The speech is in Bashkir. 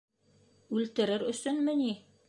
Үлтерер өсөнмө ни?